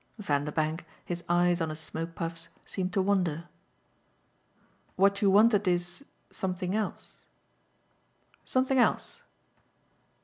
Vanderbank, his eyes on his smoke puffs, seemed to wonder. "What you wanted is something else?" "Something else."